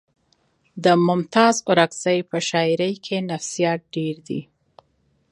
د ممتاز اورکزي په شاعرۍ کې نفسیات ډېر دي